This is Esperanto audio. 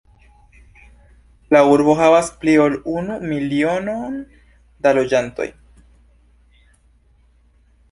La urbo havas pli ol unu milionon da loĝantoj.